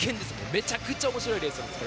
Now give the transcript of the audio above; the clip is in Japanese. めちゃくちゃ面白いレースが作れます。